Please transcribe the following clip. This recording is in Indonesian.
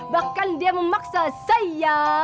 bahkan dia memaksa saya